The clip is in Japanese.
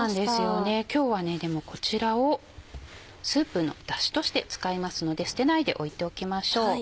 今日はでもこちらをスープのダシとして使いますので捨てないで置いておきましょう。